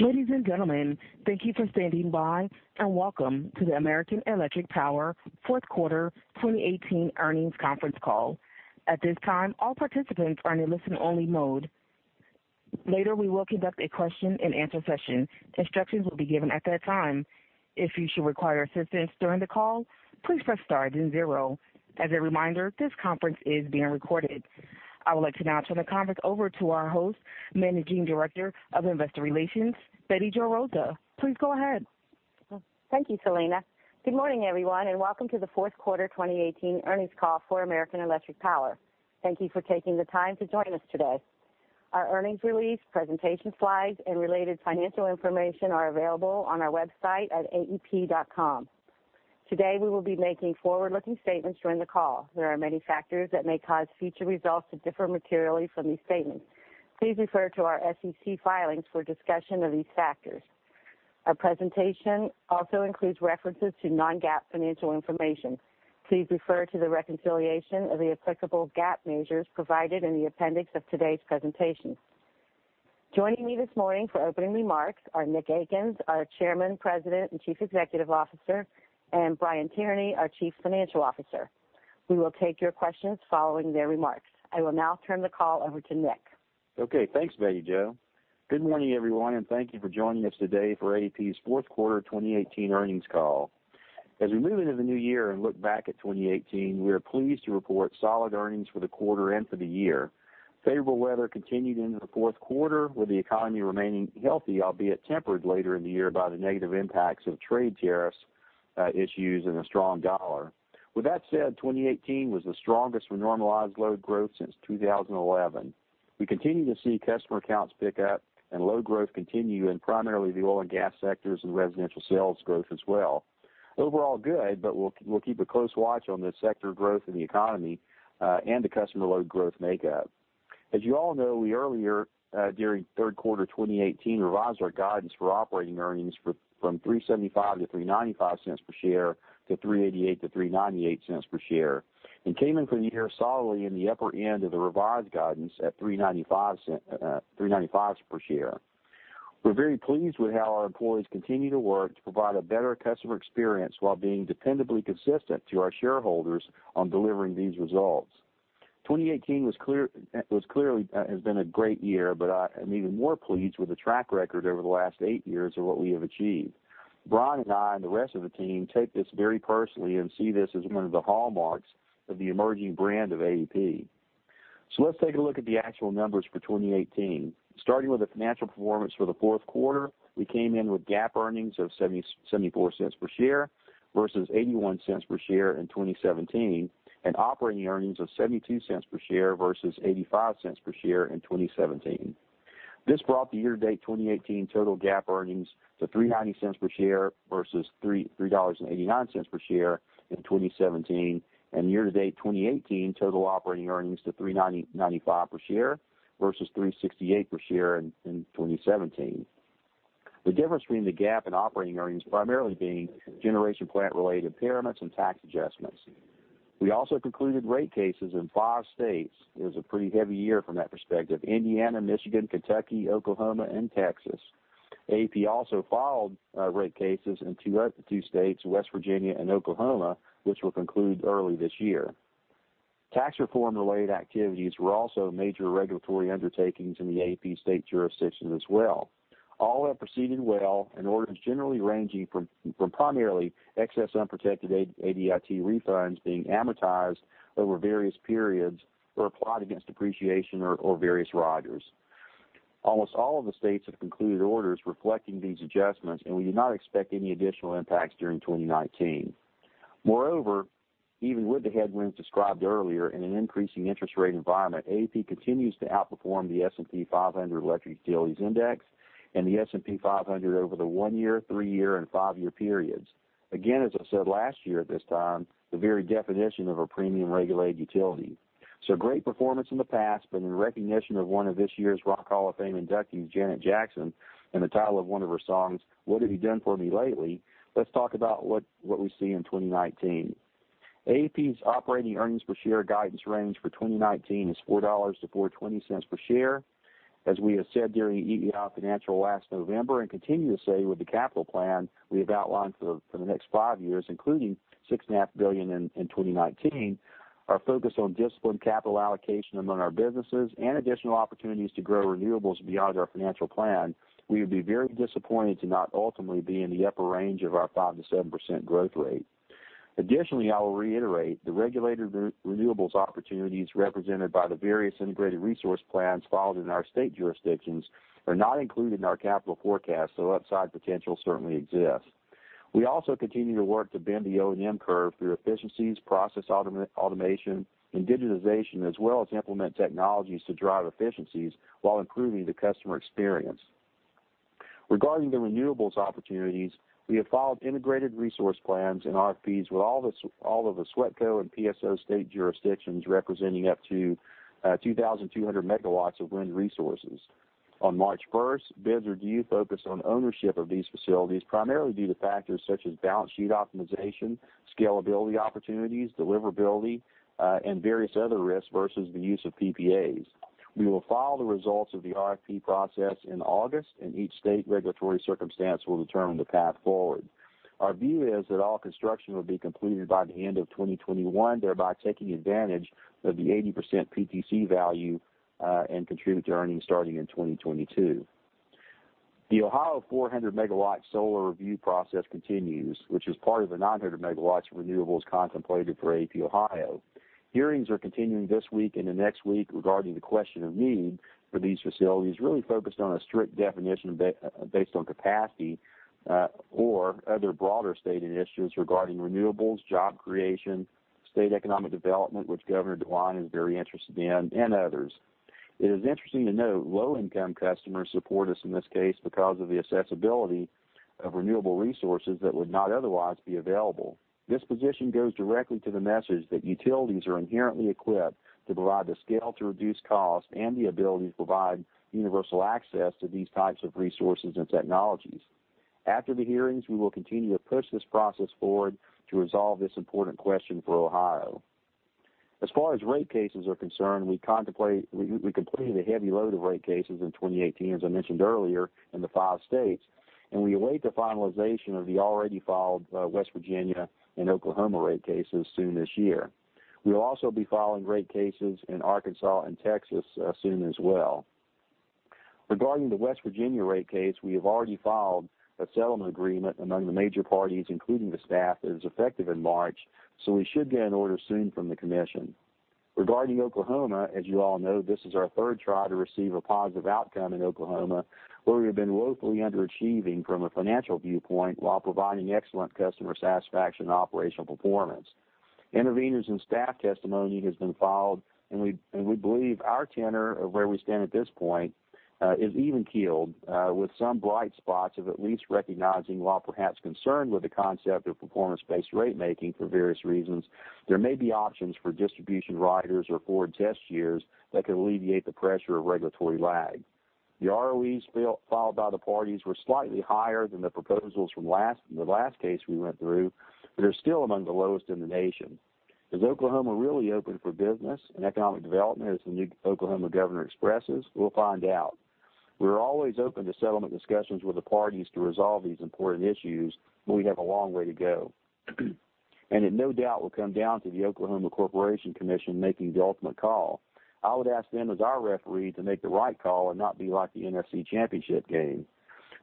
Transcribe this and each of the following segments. Ladies and gentlemen, thank you for standing by, welcome to the American Electric Power fourth quarter 2018 earnings conference call. At this time, all participants are in listen-only mode. Later, we will conduct a question-and-answer session. Instructions will be given at that time. If you should require assistance during the call, please press star then zero. As a reminder, this conference is being recorded. I would like to now turn the conference over to our host, Managing Director of Investor Relations, Bette Jo Rozsa. Please go ahead. Thank you, Selena. Good morning, everyone, and welcome to the fourth quarter 2018 earnings call for American Electric Power. Thank you for taking the time to join us today. Our earnings release, presentation slides, and related financial information are available on our website at aep.com. Today, we will be making forward-looking statements during the call. There are many factors that may cause future results to differ materially from these statements. Please refer to our SEC filings for a discussion of these factors. Our presentation also includes references to non-GAAP financial information. Please refer to the reconciliation of the applicable GAAP measures provided in the appendix of today's presentation. Joining me this morning for opening remarks are Nick Akins, our Chairman, President, and Chief Executive Officer, and Brian Tierney, our Chief Financial Officer. We will take your questions following their remarks. I will now turn the call over to Nick. Okay, thanks, Bette Jo. Good morning, everyone, and thank you for joining us today for AEP's fourth quarter 2018 earnings call. As we move into the new year and look back at 2018, we are pleased to report solid earnings for the quarter and for the year. Favorable weather continued into the fourth quarter with the economy remaining healthy, albeit tempered later in the year by the negative impacts of trade tariffs issues and a strong dollar. With that said, 2018 was the strongest for normalized load growth since 2011. We continue to see customer accounts pick up and load growth continue in primarily the oil and gas sectors and residential sales growth as well. Overall good, we'll keep a close watch on the sector growth in the economy, and the customer load growth makeup. As you all know, we earlier, during third quarter 2018, revised our guidance for operating earnings from $3.75-$3.95 Per share to $3.88-$3.98 Per share and came in for the year solidly in the upper end of the revised guidance at $3.95 Per share. We are very pleased with how our employees continue to work to provide a better customer experience while being dependably consistent to our shareholders on delivering these results. 2018 has been a great year, but I am even more pleased with the track record over the last eight years of what we have achieved. Brian and I, and the rest of the team take this very personally and see this as one of the hallmarks of the emerging brand of AEP. Let's take a look at the actual numbers for 2018. Starting with the financial performance for the fourth quarter, we came in with GAAP earnings of $0.74 per share versus $0.81 per share in 2017, and operating earnings of $0.72 per share versus $0.85 per share in 2017. This brought the year-to-date 2018 total GAAP earnings to $3.90 per share versus $3.89 per share in 2017, and year-to-date 2018 total operating earnings to $3.95 per share versus $3.68 per share in 2017. The difference between the GAAP and operating earnings primarily being generation plant-related impairments and tax adjustments. We also concluded rate cases in five states. It was a pretty heavy year from that perspective, Indiana, Michigan, Kentucky, Oklahoma and Texas. AEP also filed rate cases in two states, West Virginia and Oklahoma, which will conclude early this year. Tax reform-related activities were also major regulatory undertakings in the AEP state jurisdictions as well. All have proceeded well, and orders generally ranging from primarily excess unprotected ADIT refunds being amortized over various periods or applied against depreciation or various riders. Almost all of the states have concluded orders reflecting these adjustments, and we do not expect any additional impacts during 2019. Moreover, even with the headwinds described earlier in an increasing interest rate environment, AEP continues to outperform the S&P 500 Electric Utilities Index and the S&P 500 over the one-year, three-year, and five-year periods. Again, as I said last year at this time, the very definition of a premium-regulated utility. Great performance in the past, but in recognition of one of this year's Rock Hall of Fame inductees, Janet Jackson, and the title of one of her songs, "What Have You Done for Me Lately," let's talk about what we see in 2019. AEP's operating earnings per share guidance range for 2019 is $4-$4.20 per share. As we have said during EEI Financial last November and continue to say with the capital plan we have outlined for the next five years, including $6.5 billion in 2019, our focus on disciplined capital allocation among our businesses and additional opportunities to grow renewables beyond our financial plan, we would be very disappointed to not ultimately be in the upper range of our 5%-7% growth rate. Additionally, I will reiterate, the regulated renewables opportunities represented by the various integrated resource plans filed in our state jurisdictions are not included in our capital forecast, upside potential certainly exists. We also continue to work to bend the O&M curve through efficiencies, process automation, and digitization, as well as implement technologies to drive efficiencies while improving the customer experience. Regarding the renewables opportunities, we have filed integrated resource plans and RFPs with all of the SWEPCO and PSO state jurisdictions representing up to 2,200 MW of wind resources. On March 1st, bids are due focused on ownership of these facilities, primarily due to factors such as balance sheet optimization, scalability opportunities, deliverability, and various other risks versus the use of PPAs. We will follow the results of the RFP process in August, and each state regulatory circumstance will determine the path forward. Our view is that all construction will be completed by the end of 2021, thereby taking advantage of the 80% PTC value and contribute to earnings starting in 2022. The Ohio 400-MW solar review process continues, which is part of the 900 MW of renewables contemplated for AEP Ohio. Hearings are continuing this week and the next week regarding the question of need for these facilities, really focused on a strict definition based on capacity or other broader stated issues regarding renewables, job creation, state economic development, which Governor DeWine is very interested in, and others. It is interesting to note low-income customers support us in this case because of the accessibility of renewable resources that would not otherwise be available. This position goes directly to the message that utilities are inherently equipped to provide the scale to reduce cost and the ability to provide universal access to these types of resources and technologies. After the hearings, we will continue to push this process forward to resolve this important question for Ohio. As far as rate cases are concerned, we completed a heavy load of rate cases in 2018, as I mentioned earlier, in the five states, and we await the finalization of the already filed West Virginia and Oklahoma rate cases soon this year. We'll also be filing rate cases in Arkansas and Texas soon as well. Regarding the West Virginia rate case, we have already filed a settlement agreement among the major parties, including the staff, that is effective in March, so we should get an order soon from the commission. Regarding Oklahoma, as you all know, this is our third try to receive a positive outcome in Oklahoma, where we have been woefully underachieving from a financial viewpoint while providing excellent customer satisfaction and operational performance. Interveners and staff testimony has been filed, and we believe our tenor of where we stand at this point is even-keeled with some bright spots of at least recognizing, while perhaps concerned with the concept of performance-based rate making for various reasons, there may be options for distribution riders or forward test years that could alleviate the pressure of regulatory lag. The ROEs filed by the parties were slightly higher than the proposals from the last case we went through, but are still among the lowest in the nation. Is Oklahoma really open for business and economic development as the new Oklahoma governor expresses? We'll find out. We're always open to settlement discussions with the parties to resolve these important issues, but we have a long way to go. It no doubt will come down to the Oklahoma Corporation Commission making the ultimate call. I would ask them as our referee to make the right call and not be like the NFC Championship Game.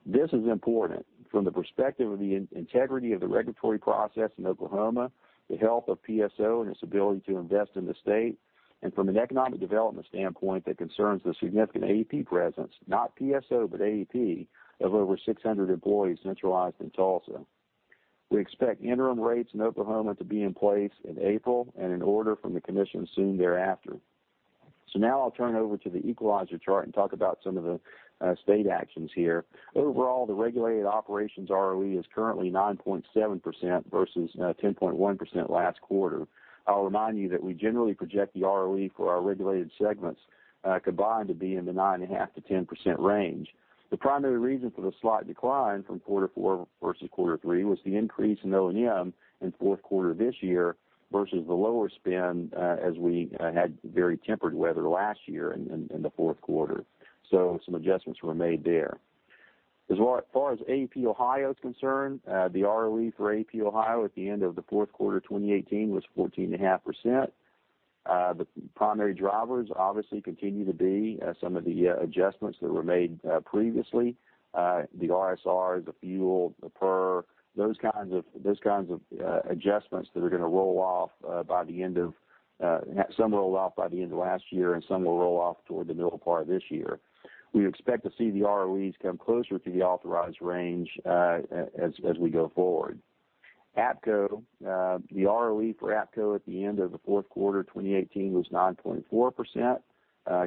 This is important from the perspective of the integrity of the regulatory process in Oklahoma, the health of PSO and its ability to invest in the state, and from an economic development standpoint that concerns the significant AEP presence, not PSO, but AEP, of over 600 employees centralized in Tulsa. We expect interim rates in Oklahoma to be in place in April and an order from the commission soon thereafter. Now I'll turn over to the equalizer chart and talk about some of the state actions here. Overall, the regulated operations ROE is currently 9.7% versus 10.1% last quarter. I'll remind you that we generally project the ROE for our regulated segments combined to be in the 9.5%-10% range. The primary reason for the slight decline from quarter four versus quarter three was the increase in O&M in fourth quarter this year versus the lower spend as we had very tempered weather last year in the fourth quarter. Some adjustments were made there. As far as AEP Ohio is concerned, the ROE for AEP Ohio at the end of the fourth quarter 2018 was 14.5%. The primary drivers obviously continue to be some of the adjustments that were made previously. The RSR, the fuel, the PER, those kinds of adjustments that are going to roll off. Some rolled off by the end of last year, and some will roll off toward the middle part of this year. We expect to see the ROEs come closer to the authorized range as we go forward. AEPCO. The ROE for AEPCO at the end of the fourth quarter 2018 was 9.4%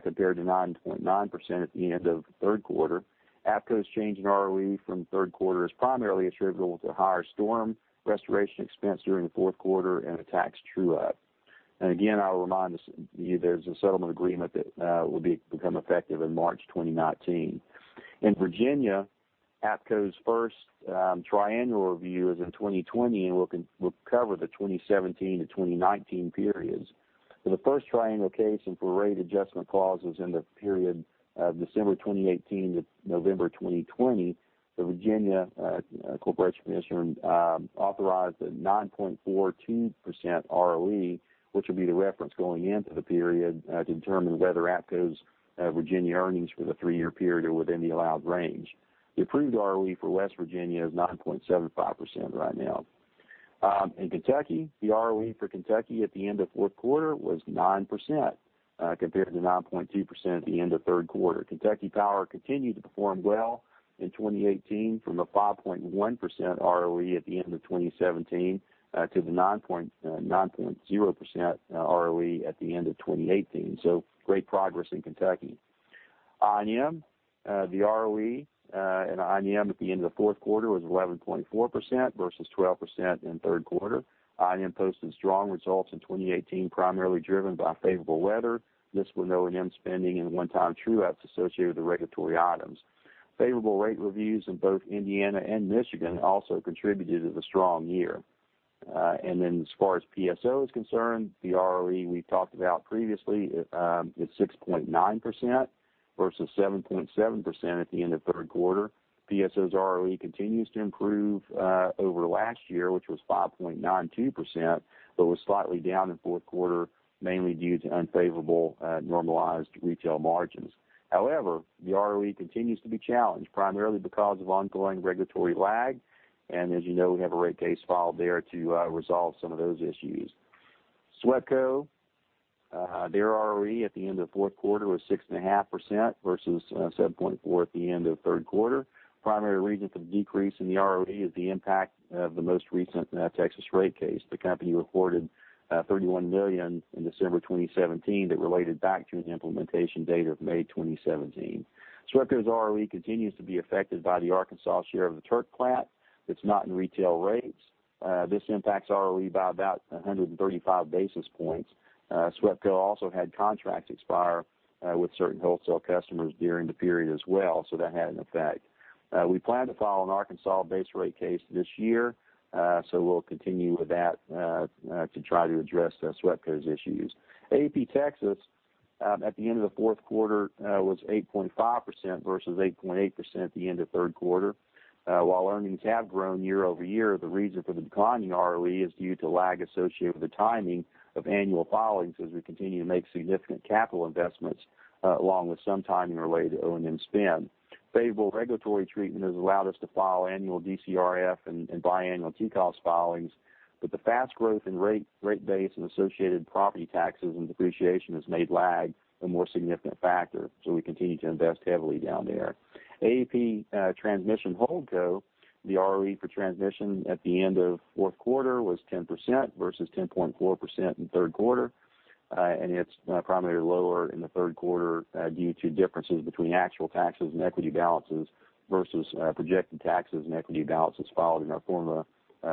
compared to 9.9% at the end of the third quarter. AEPCO's change in ROE from third quarter is primarily attributable to higher storm restoration expense during the fourth quarter and a tax true-up. Again, I'll remind you, there's a settlement agreement that will become effective in March 2019. In Virginia, AEPCO's first triennial review is in 2020 and will cover the 2017 to 2019 periods. For the first triennial case and for rate adjustment clauses in the period of December 2018 to November 2020, the Virginia Corporation Commission authorized a 9.42% ROE, which will be the reference going into the period to determine whether AEPCO's Virginia earnings for the three-year period are within the allowed range. The approved ROE for West Virginia is 9.75% right now. In Kentucky, the ROE for Kentucky at the end of fourth quarter was 9% compared to 9.2% at the end of third quarter. Kentucky Power continued to perform well in 2018 from the 5.1% ROE at the end of 2017 to the 9.0% ROE at the end of 2018. Great progress in Kentucky. INM. The ROE in INM at the end of the fourth quarter was 11.4% versus 12% in third quarter. INM posted strong results in 2018, primarily driven by favorable weather mixed with O&M spending and one-time true-ups associated with the regulatory items. Favorable rate reviews in both Indiana and Michigan also contributed to the strong year. As far as PSO is concerned, the ROE we talked about previously is 6.9% versus 7.7% at the end of the third quarter. PSO's ROE continues to improve over last year, which was 5.92%, but was slightly down in the fourth quarter, mainly due to unfavorable normalized retail margins. However, the ROE continues to be challenged, primarily because of ongoing regulatory lag, and as you know, we have a rate case filed there to resolve some of those issues. SWEPCO, their ROE at the end of the fourth quarter was 6.5% versus 7.4% at the end of the third quarter. The primary reason for the decrease in the ROE is the impact of the most recent Texas rate case. The company recorded $31 million in December 2017 that related back to the implementation date of May 2017. SWEPCO's ROE continues to be affected by the Arkansas share of the Turk plant that's not in retail rates. This impacts ROE by about 135 basis points. SWEPCO also had contracts expire with certain wholesale customers during the period as well, that had an effect. We plan to file an Arkansas-based rate case this year, we'll continue with that to try to address SWEPCO's issues. AEP Texas at the end of the fourth quarter was 8.5% versus 8.8% at the end of the third quarter. While earnings have grown year-over-year, the reason for the decline in ROE is due to lag associated with the timing of annual filings as we continue to make significant capital investments, along with some timing related to O&M spend. Favorable regulatory treatment has allowed us to file annual DCRF and biannual TCOS filings, the fast growth in rate base and associated property taxes and depreciation has made lag a more significant factor. We continue to invest heavily down there. AEP Transmission Holdco, the ROE for transmission at the end of the fourth quarter was 10% versus 10.4% in the third quarter, it's primarily lower in the third quarter due to differences between actual taxes and equity balances versus projected taxes and equity balances filed in our formula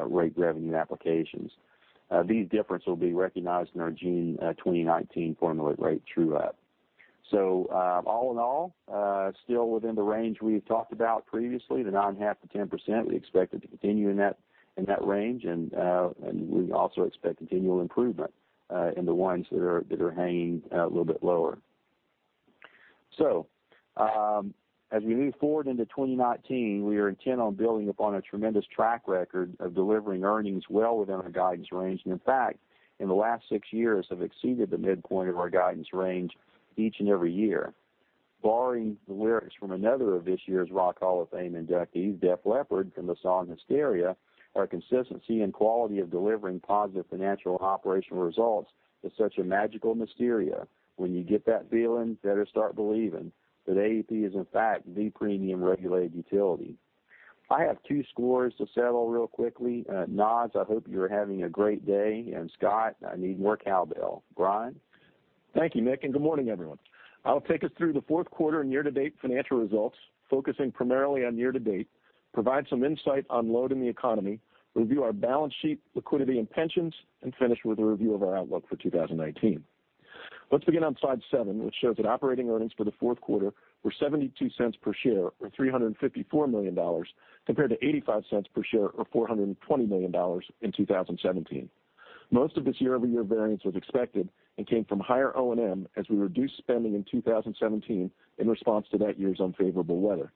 rate revenue applications. These differences will be recognized in our June 2019 formula rate true-up. All in all, still within the range we've talked about previously, the 9.5%-10%. We expect it to continue in that range, we also expect continual improvement in the ones that are hanging a little bit lower. As we move forward into 2019, we are intent on building upon a tremendous track record of delivering earnings well within our guidance range. In fact, in the last six years have exceeded the midpoint of our guidance range each and every year. Borrowing the lyrics from another of this year's Rock Hall of Fame inductees, Def Leppard in the song "Hysteria," our consistency and quality of delivering positive financial operational results is such a magical mysteria. When you get that feeling, better start believing that AEP is in fact the premium regulated utility. I have two scores to settle real quickly. Noz, I hope you're having a great day, Scott, I need more cowbell. Brian? Thank you, Nick, good morning, everyone. I'll take us through the fourth quarter and year-to-date financial results, focusing primarily on year-to-date, provide some insight on load in the economy, review our balance sheet liquidity and pensions, finish with a review of our outlook for 2019. Let's begin on slide seven, which shows that operating earnings for the fourth quarter were $0.72 per share, or $354 million, compared to $0.85 per share or $420 million in 2017. Most of this year-over-year variance was expected and came from higher O&M as we reduced spending in 2017 in response to that year's unfavorable weather.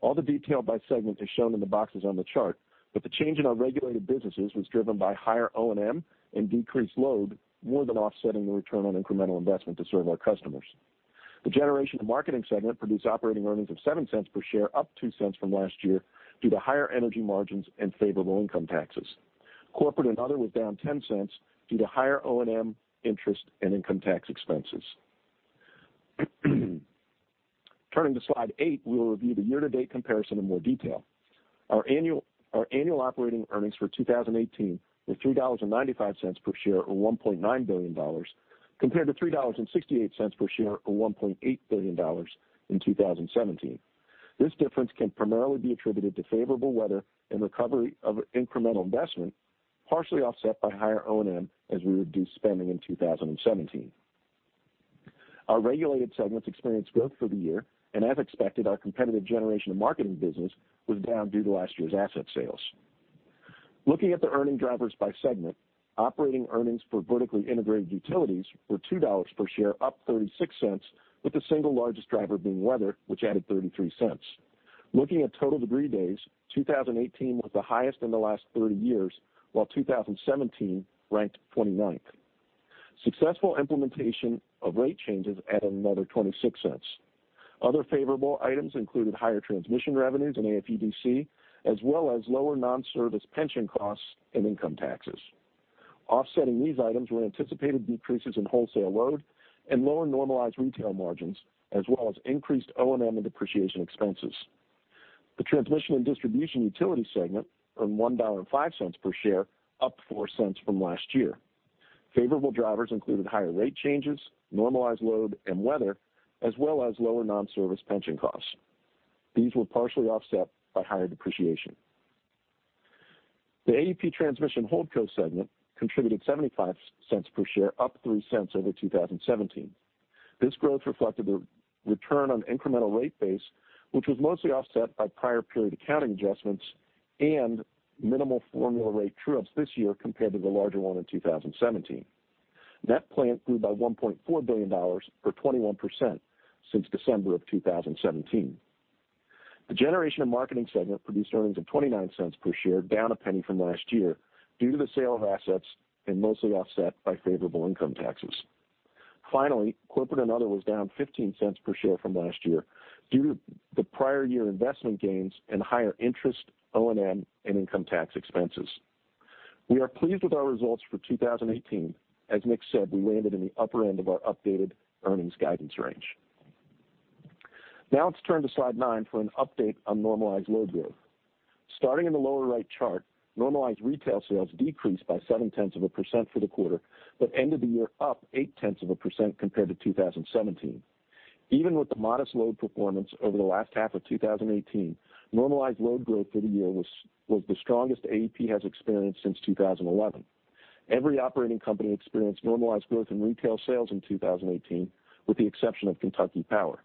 All the detail by segment is shown in the boxes on the chart, the change in our regulated businesses was driven by higher O&M and decreased load, more than offsetting the return on incremental investment to serve our customers. The generation and marketing segment produced operating earnings of $0.07 per share, up $0.02 from last year due to higher energy margins and favorable income taxes. Corporate and other was down $0.10 due to higher O&M interest and income tax expenses. Turning to slide eight, we will review the year-to-date comparison in more detail. Our annual operating earnings for 2018 were $3.95 per share, or $1.9 billion, compared to $3.68 per share, or $1.8 billion in 2017. This difference can primarily be attributed to favorable weather and recovery of incremental investment, partially offset by higher O&M as we reduced spending in 2017. Our regulated segments experienced growth for the year, and as expected, our competitive generation and marketing business was down due to last year's asset sales. Looking at the earning drivers by segment, operating earnings for vertically integrated utilities were $2 per share, up $0.36, with the single largest driver being weather, which added $0.33. Looking at total degree days, 2018 was the highest in the last 30 years, while 2017 ranked 29th. Successful implementation of rate changes added another $0.26. Other favorable items included higher transmission revenues in AFUDC, as well as lower non-service pension costs and income taxes. Offsetting these items were anticipated decreases in wholesale load and lower normalized retail margins, as well as increased O&M and depreciation expenses. The transmission and distribution utility segment earned $1.05 per share, up $0.04 from last year. Favorable drivers included higher rate changes, normalized load, and weather, as well as lower non-service pension costs. These were partially offset by higher depreciation. The AEP Transmission Holdco segment contributed $0.75 per share, up $0.03 over 2017. This growth reflected the return on incremental rate base, which was mostly offset by prior period accounting adjustments and minimal formula rate true-ups this year compared to the larger one in 2017. Net plant grew by $1.4 billion, or 21%, since December of 2017. The generation and marketing segment produced earnings of $0.29 per share, down $0.01 from last year due to the sale of assets and mostly offset by favorable income taxes. Finally, corporate and other was down $0.15 per share from last year due to the prior year investment gains and higher interest O&M and income tax expenses. We are pleased with our results for 2018. As Nick said, we landed in the upper end of our updated earnings guidance range. Now let's turn to slide nine for an update on normalized load growth. Starting in the lower right chart, normalized retail sales decreased by 0.7% for the quarter, but ended the year up 0.8% compared to 2017. Even with the modest load performance over the last half of 2018, normalized load growth for the year was the strongest AEP has experienced since 2011. Every operating company experienced normalized growth in retail sales in 2018, with the exception of Kentucky Power.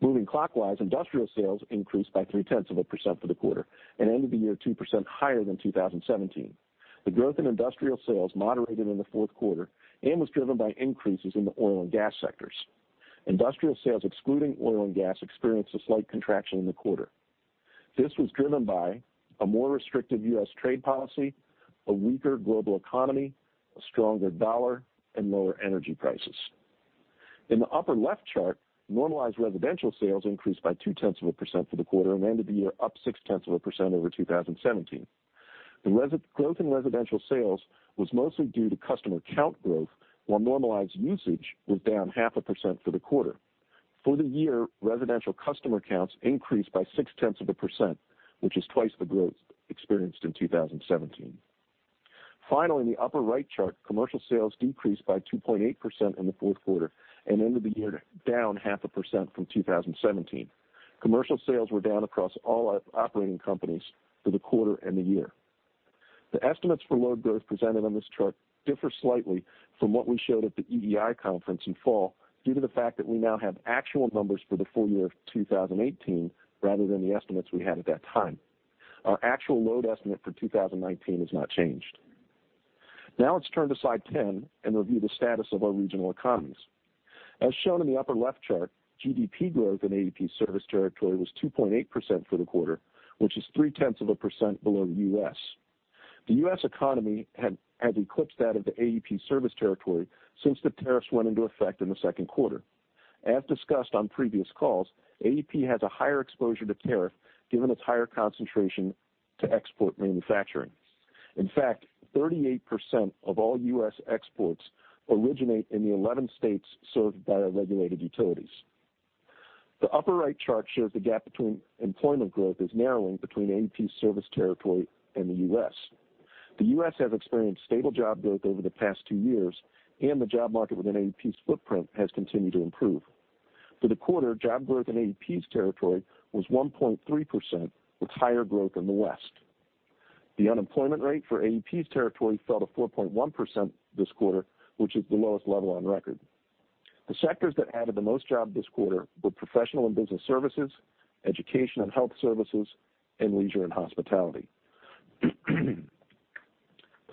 Moving clockwise, industrial sales increased by 0.3% for the quarter and ended the year 2% higher than 2017. The growth in industrial sales moderated in the fourth quarter and was driven by increases in the oil and gas sectors. Industrial sales, excluding oil and gas, experienced a slight contraction in the quarter. This was driven by a more restrictive U.S. trade policy, a weaker global economy, a stronger dollar, and lower energy prices. In the upper left chart, normalized residential sales increased by 0.2% for the quarter and ended the year up 0.6% over 2017. The growth in residential sales was mostly due to customer count growth, while normalized usage was down 0.5% for the quarter. For the year, residential customer counts increased by 0.6%, which is twice the growth experienced in 2017. Finally, in the upper right chart, commercial sales decreased by 2.8% in the fourth quarter and ended the year down 0.5% from 2017. Commercial sales were down across all operating companies for the quarter and the year. The estimates for load growth presented on this chart differ slightly from what we showed at the EEI conference in fall, due to the fact that we now have actual numbers for the full year of 2018 rather than the estimates we had at that time. Our actual load estimate for 2019 has not changed. Let's turn to slide 10 and review the status of our regional economies. As shown in the upper left chart, GDP growth in AEP's service territory was 2.8% for the quarter, which is 0.3% below the U.S. The U.S. economy has eclipsed that of the AEP service territory since the tariffs went into effect in the second quarter. As discussed on previous calls, AEP has a higher exposure to tariff given its higher concentration to export manufacturing. In fact, 38% of all U.S. exports originate in the 11 states served by our regulated utilities. The upper right chart shows the gap between employment growth is narrowing between AEP's service territory and the U.S. The U.S. has experienced stable job growth over the past two years, and the job market within AEP's footprint has continued to improve. For the quarter, job growth in AEP's territory was 1.3%, with higher growth in the West. The unemployment rate for AEP's territory fell to 4.1% this quarter, which is the lowest level on record. The sectors that added the most jobs this quarter were professional and business services, education and health services, and leisure and hospitality.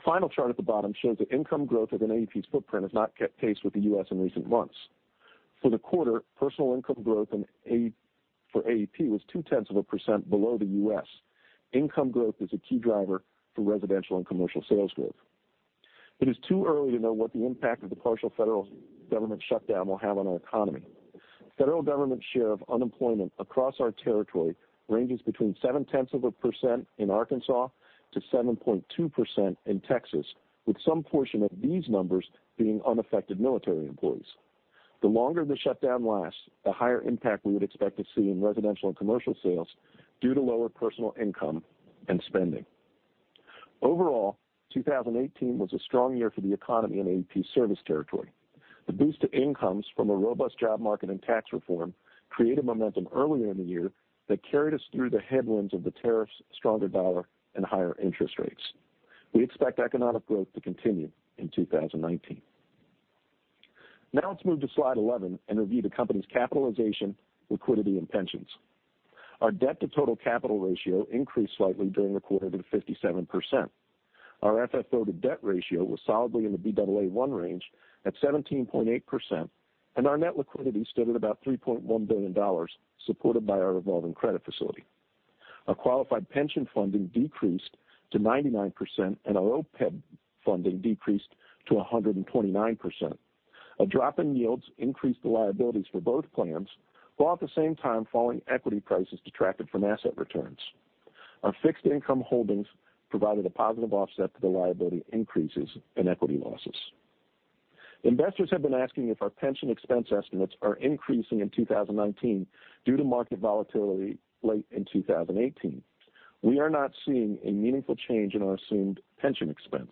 The final chart at the bottom shows that income growth within AEP's footprint has not kept pace with the U.S. in recent months. For the quarter, personal income growth for AEP was 0.2% below the U.S. Income growth is a key driver for residential and commercial sales growth. It is too early to know what the impact of the partial federal government shutdown will have on our economy. Federal government share of unemployment across our territory ranges between 0.7% in Arkansas to 7.2% in Texas, with some portion of these numbers being unaffected military employees. The longer the shutdown lasts, the higher impact we would expect to see in residential and commercial sales due to lower personal income and spending. Overall, 2018 was a strong year for the economy in AEP's service territory. The boost to incomes from a robust job market and tax reform created momentum earlier in the year that carried us through the headwinds of the tariffs, stronger dollar, and higher interest rates. We expect economic growth to continue in 2019. Now let's move to slide 11 and review the company's capitalization, liquidity, and pensions. Our debt-to-total capital ratio increased slightly during the quarter to 57%. Our FFO-to-debt ratio was solidly in the Baa1 range at 17.8%, and our net liquidity stood at about $3.1 billion, supported by our revolving credit facility. Our qualified pension funding decreased to 99%, and our OPEB funding decreased to 129%. A drop in yields increased the liabilities for both plans, while at the same time, falling equity prices detracted from asset returns. Our fixed income holdings provided a positive offset to the liability increases and equity losses. Investors have been asking if our pension expense estimates are increasing in 2019 due to market volatility late in 2018. We are not seeing a meaningful change in our assumed pension expense.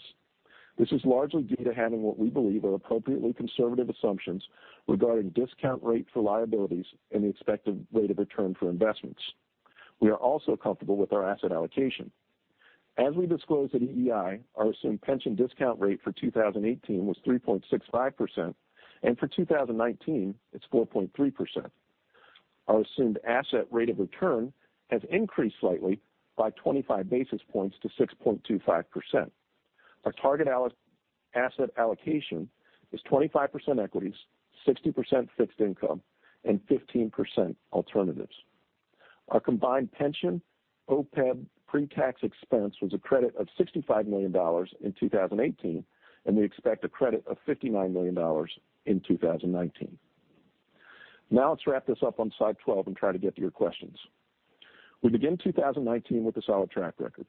This is largely due to having what we believe are appropriately conservative assumptions regarding discount rate for liabilities and the expected rate of return for investments. We are also comfortable with our asset allocation. As we disclosed at EEI, our assumed pension discount rate for 2018 was 3.65%, and for 2019, it's 4.3%. Our assumed asset rate of return has increased slightly by 25 basis points to 6.25%. Our target asset allocation is 25% equities, 60% fixed income, and 15% alternatives. Our combined pension OPEB pre-tax expense was a credit of $65 million in 2018, and we expect a credit of $59 million in 2019. Now let's wrap this up on slide 12 and try to get to your questions. We begin 2019 with a solid track record.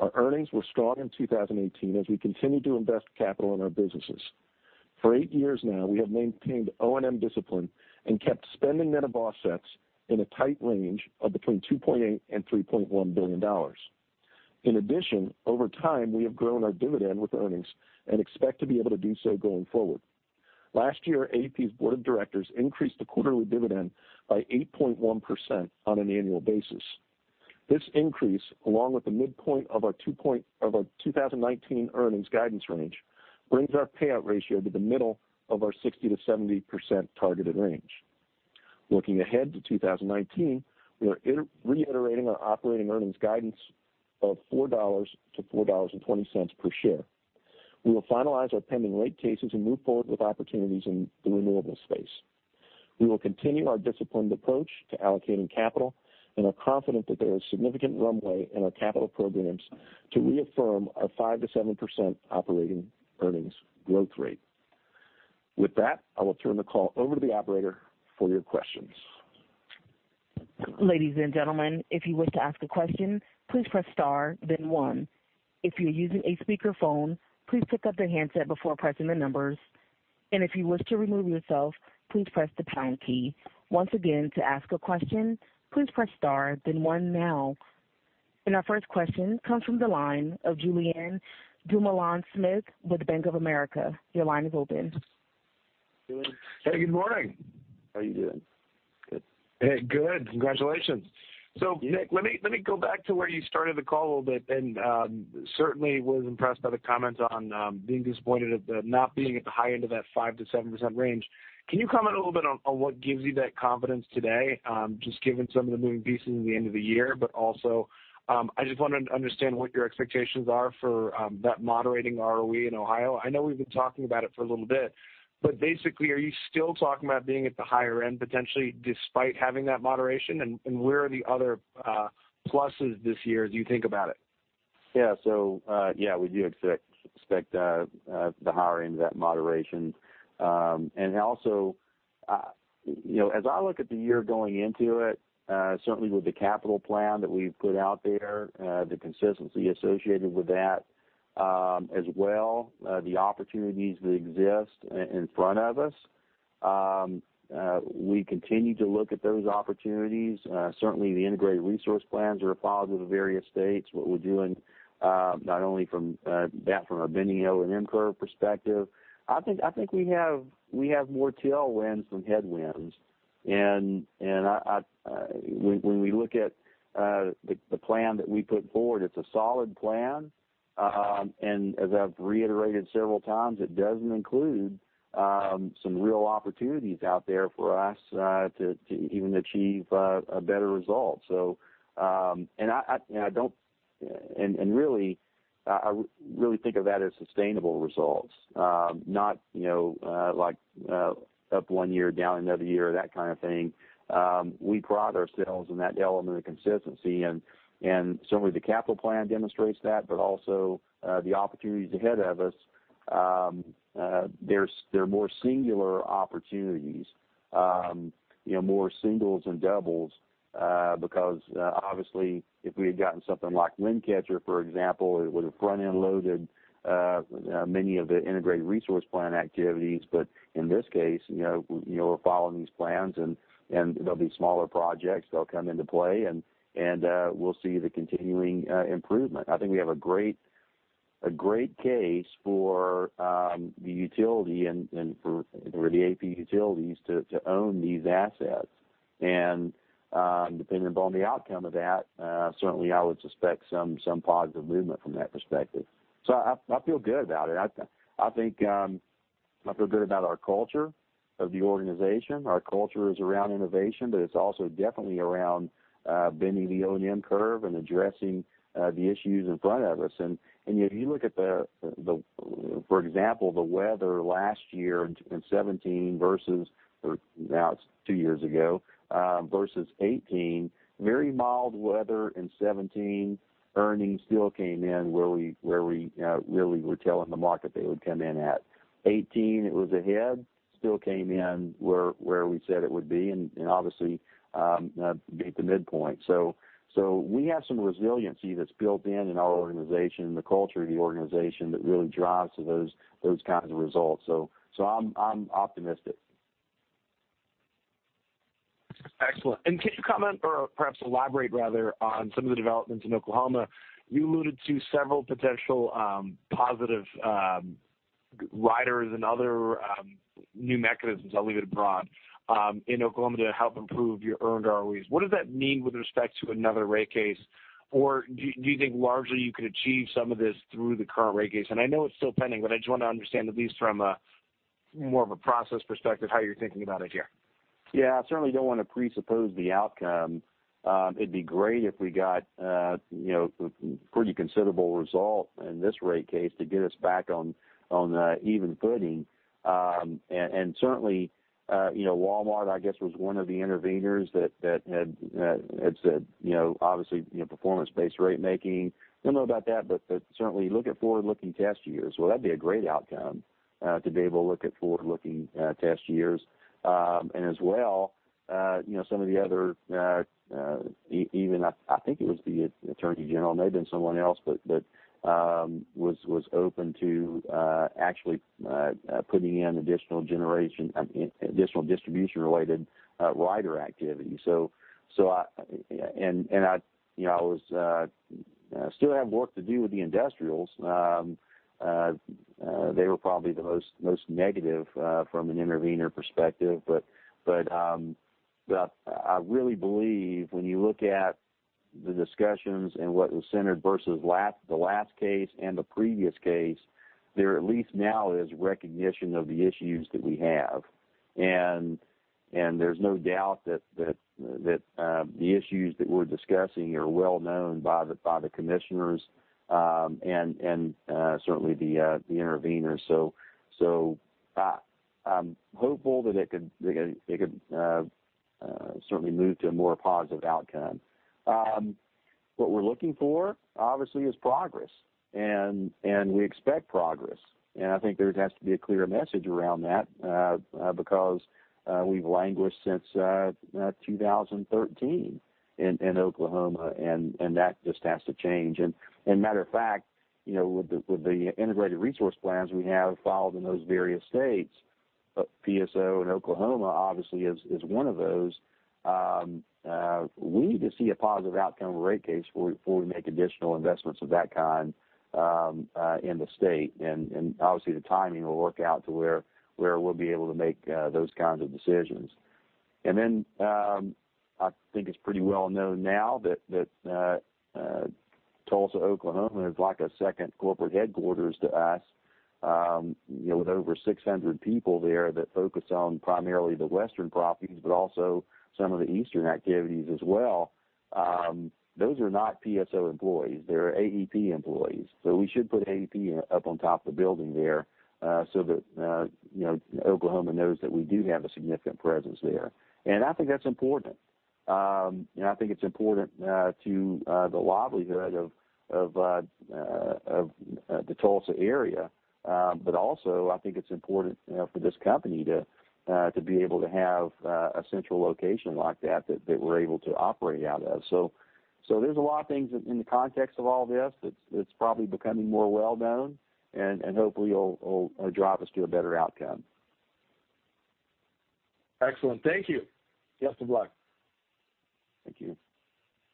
Our earnings were strong in 2018 as we continued to invest capital in our businesses. For eight years now, we have maintained O&M discipline and kept spending net of offsets in a tight range of between $2.8 billion and $3.1 billion. In addition, over time, we have grown our dividend with earnings and expect to be able to do so going forward. Last year, AEP's board of directors increased the quarterly dividend by 8.1% on an annual basis. This increase, along with the midpoint of our 2019 earnings guidance range, brings our payout ratio to the middle of our 60%-70% targeted range. Looking ahead to 2019, we are reiterating our operating earnings guidance of $4-$4.20 per share. We will finalize our pending rate cases and move forward with opportunities in the renewables space. We will continue our disciplined approach to allocating capital and are confident that there is significant runway in our capital programs to reaffirm our 5%-7% operating earnings growth rate. With that, I will turn the call over to the operator for your questions. Ladies and gentlemen, if you wish to ask a question, please press star, then one. If you're using a speakerphone, please pick up the handset before pressing the numbers. If you wish to remove yourself, please press the pound key. Once again, to ask a question, please press star, then one now. Our first question comes from the line of Julien Dumoulin-Smith with Bank of America. Your line is open. Julien. Hey, good morning. How are you doing? Good. Hey, good. Congratulations. Yeah. Nick, let me go back to where you started the call a little bit, and certainly was impressed by the comments on being disappointed at not being at the high end of that 5%-7% range. Can you comment a little bit on what gives you that confidence today, just given some of the moving pieces at the end of the year? Also, I just wanted to understand what your expectations are for that moderating ROE in Ohio. I know we've been talking about it for a little bit, but basically, are you still talking about being at the higher end potentially, despite having that moderation? Where are the other pluses this year as you think about it? Yeah. We do expect the higher end of that moderation. Also, as I look at the year going into it, certainly with the capital plan that we've put out there, the consistency associated with that, as well, the opportunities that exist in front of us. We continue to look at those opportunities. Certainly, the integrated resource plans are a positive in various states. What we're doing not only from that, from a bending the O&M curve perspective. I think we have more tailwinds than headwinds. When we look at the plan that we put forward, it's a solid plan. As I've reiterated several times, it doesn't include some real opportunities out there for us, to even achieve a better result. I really think of that as sustainable results. Not like up one year, down another year, that kind of thing. We pride ourselves in that element of consistency, and certainly the capital plan demonstrates that, but also, the opportunities ahead of us. They're more singular opportunities. More singles than doubles, because obviously if we had gotten something like Wind Catcher, for example, it would have front-end loaded many of the integrated resource plan activities. In this case, we're following these plans and they'll be smaller projects. They'll come into play, and we'll see the continuing improvement. I think we have a great case for the utility and for the AEP utilities to own these assets. Depending upon the outcome of that, certainly I would suspect some positive movement from that perspective. I feel good about it. I feel good about our culture of the organization. Our culture is around innovation, but it's also definitely around bending the O&M curve and addressing the issues in front of us. If you look at the, for example, the weather last year in 2017 versus, or now it's two years ago, versus 2018. Very mild weather in 2017. Earnings still came in where we really were telling the market they would come in at. 2018, it was ahead. Still came in where we said it would be, and obviously, beat the midpoint. We have some resiliency that's built in in our organization and the culture of the organization that really drives to those kinds of results. I'm optimistic. Excellent. Can you comment or perhaps elaborate rather on some of the developments in Oklahoma? You alluded to several potential positive riders and other new mechanisms, I'll leave it broad, in Oklahoma to help improve your earned ROEs. What does that mean with respect to another rate case? Do you think largely you could achieve some of this through the current rate case? I know it's still pending, but I just want to understand, at least from a more of a process perspective, how you're thinking about it here. Yeah. I certainly don't want to presuppose the outcome. It'd be great if we got a pretty considerable result in this rate case to get us back on an even footing. Certainly, Walmart, I guess, was one of the intervenors that had said, obviously, performance-based rate making. Don't know about that, but certainly look at forward-looking test years. Well, that'd be a great outcome to be able to look at forward-looking test years. As well some of the other, even, I think it was the attorney general, may have been someone else, but was open to actually putting in additional distribution-related rider activity. I still have work to do with the industrials. They were probably the most negative from an intervenor perspective. I really believe when you look at the discussions and what was centered versus the last case and the previous case, there at least now is recognition of the issues that we have. There's no doubt that the issues that we're discussing are well-known by the commissioners, and certainly the intervenors. I'm hopeful that it could certainly move to a more positive outcome. What we're looking for, obviously, is progress, and we expect progress. I think there has to be a clear message around that, because we've languished since 2013 in Oklahoma and that just has to change. Matter of fact with the integrated resource plans we have filed in those various states, PSO in Oklahoma obviously is one of those. We need to see a positive outcome of a rate case before we make additional investments of that kind in the state. Obviously the timing will work out to where we'll be able to make those kinds of decisions. Then, I think it's pretty well known now that Tulsa, Oklahoma is like a second corporate headquarters to us with over 600 people there that focus on primarily the western properties, but also some of the eastern activities as well. Those are not PSO employees, they're AEP employees. We should put AEP up on top of the building there, so that Oklahoma knows that we do have a significant presence there. I think that's important. I think it's important to the livelihood of the Tulsa area. Also, I think it's important for this company to be able to have a central location like that we're able to operate out of. There's a lot of things in the context of all this that's probably becoming more well-known and hopefully will drive us to a better outcome. Excellent. Thank you. Best of luck. Thank you.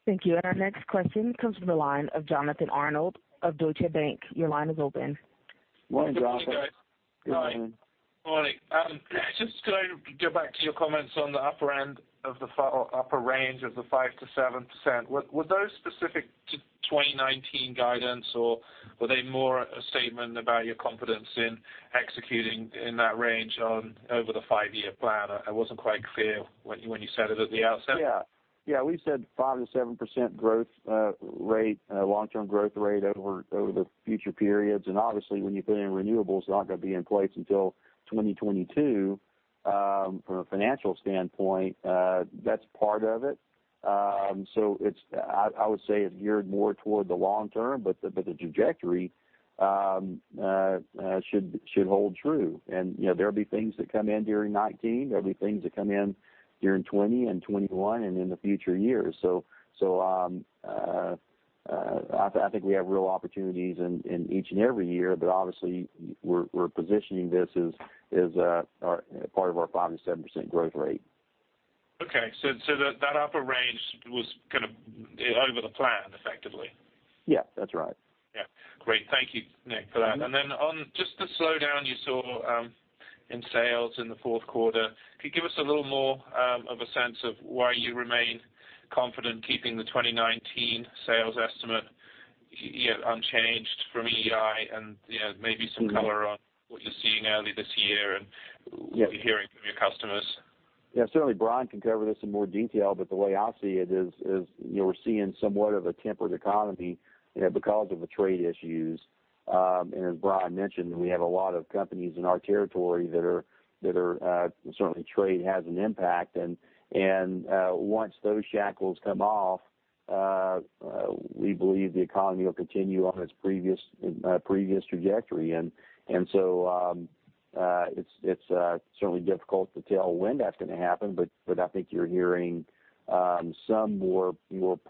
Thank you. Our next question comes from the line of Jonathan Arnold of Deutsche Bank. Your line is open. Morning, Jonathan. Good morning, guys. Morning. Just going to go back to your comments on the upper end of the upper range of the 5%-7%. Were those specific to 2019 guidance or were they more a statement about your confidence in executing in that range on over the five-year plan? I wasn't quite clear when you said it at the outset. Yeah. We said 5%-7% long-term growth rate over the future periods. Obviously when you put in renewables, it's not going to be in place until 2022. From a financial standpoint that's part of it. I would say it's geared more toward the long term, the trajectory should hold true. There'll be things that come in during 2019, there'll be things that come in during 2020 and 2021 and in the future years. I think we have real opportunities in each and every year. Obviously we're positioning this as part of our 5%-7% growth rate. Okay. That upper range was kind of over the plan effectively. Yeah, that's right. Great. Thank you, Nick, for that. On just the slowdown you saw in sales in the fourth quarter, could you give us a little more of a sense of why you remain confident keeping the 2019 sales estimate yet unchanged from EEI and maybe some color on what you're seeing early this year and what you're hearing from your customers? Certainly Brian can cover this in more detail. The way I see it is we're seeing somewhat of a tempered economy because of the trade issues. As Brian mentioned, we have a lot of companies in our territory that certainly trade has an impact and once those shackles come off, we believe the economy will continue on its previous trajectory. It's certainly difficult to tell when that's going to happen, I think you're hearing some more